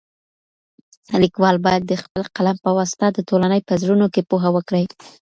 ليکوال بايد د خپل قلم په واسطه د ټولني په زړونو کي پوهه وکري.